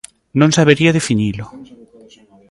Non sabería definilo.